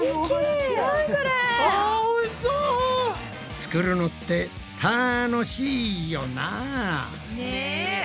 作るのってたのしいよな。ね！